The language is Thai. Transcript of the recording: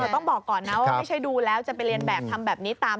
ต้องบอกก่อนนะว่าไม่ใช่ดูแล้วจะไปเรียนแบบทำแบบนี้ตาม